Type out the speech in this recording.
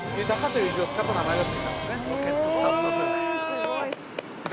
すごい！◆